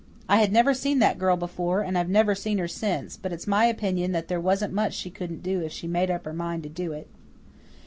I had never seen that girl before, and I've never seen her since, but it's my opinion that there wasn't much she couldn't do if she made up her mind to do it.